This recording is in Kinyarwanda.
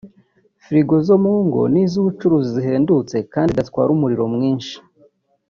frigo zo mu ngo n’iz’ubucuruzi zihendutse kandi zidatwara umuriro mwinshi